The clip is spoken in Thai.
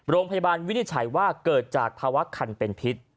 โรงพยาบาลวินิจฉัยว่าเกิดจากภาวะคันเป็นพิษ